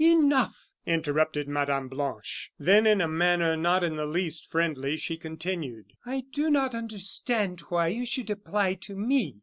"Enough!" interrupted Mme. Blanche. Then in a manner not in the least friendly, she continued: "I do not understand why you should apply to me.